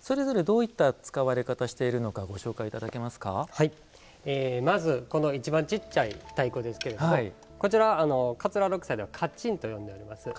それぞれ、どういった使われ方しているのかまず、この一番ちっちゃい太鼓ですけれどもこちらは桂六斎ではカッチンと呼んでおります。